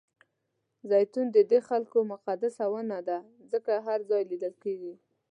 زیتون ددې خلکو مقدسه ونه ده ځکه هر ځای لیدل کېږي.